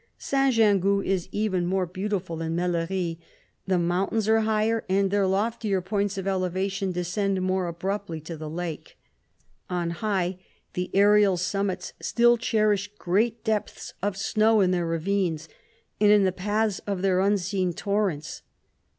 St. Gingoux is even more beautiful 123 than Mellerie ; the mountains are higher, and their loftiest points of elevation descend more abruptly to the lake. On high, the aerial summits still cherish great depths of snow in their ravines, and in the paths of their unseen torrents.